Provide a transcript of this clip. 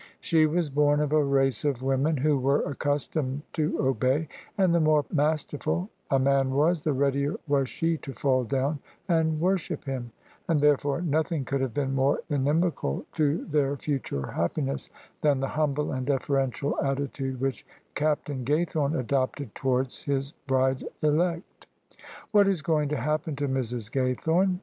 She was born of a race of women who were accustomed to obey; and the more masterful a man was, the readier was she to fall down and worship him : and therefore nothing could have been more inimical to their THE SUBJECTION future happiness than the humble and deferential attitude which Captain Gaythome adopted towards his bride elect. "What is going to happen to Mrs, Ga3rthome?"